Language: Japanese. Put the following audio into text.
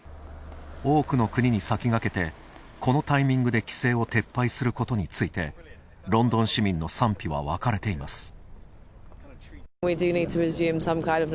多くの国に先駆けて、このタイミングで規制を撤廃することについて、ロンドン市民の賛否は分かれています。